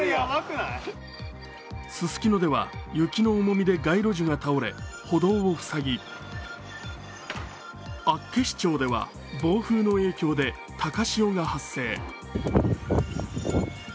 ススキノでは雪の重みで街路樹が倒れ歩道を塞ぎ厚岸町では暴風の影響で高潮が発生。